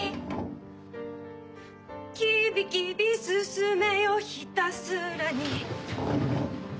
「キビキビ進めよひたすらに」